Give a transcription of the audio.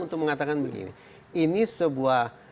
untuk mengatakan begini ini sebuah